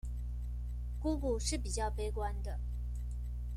姑姑是比較悲觀的